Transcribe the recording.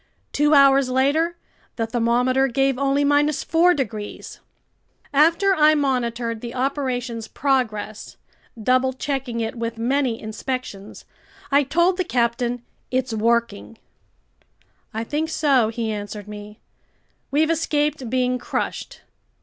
Two hours later the thermometer gave only 4 degrees. After I monitored the operation's progress, double checking it with many inspections, I told the captain, "It's working." "I think so," he answered me. "We've escaped being crushed.